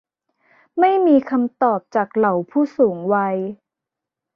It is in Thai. ไม่มีคำตอบจากเหล่าผู้สูงวัย